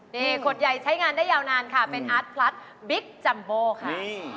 นี่ขวดใหญ่ใช้งานได้ยาวนานค่ะเป็นอาร์ตพลัดบิ๊กจัมโบค่ะ